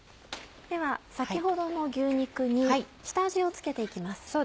では先ほどの牛肉に下味を付けて行きます。